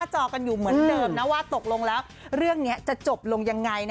จอกันอยู่เหมือนเดิมนะว่าตกลงแล้วเรื่องนี้จะจบลงยังไง